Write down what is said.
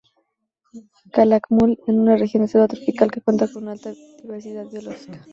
Calakmul es una región de selva tropical que cuenta con una alta diversidad biológica.